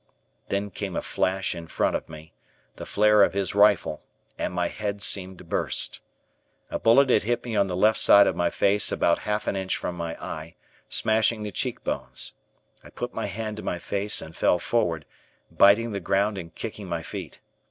Then came a flash in front of me, the flare of his rifle and my head seemed to burst. A bullet had hit me on the left side of my face about half an inch from my eye, smashing the cheek bones. I put my hand to my face and fell forward, biting the ground and kicking my feet.